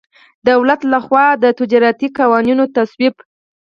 دولت له خوا د تجارتي قوانینو تصویب.